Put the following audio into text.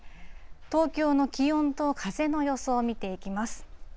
東京の気温と風の予想を見ていきます。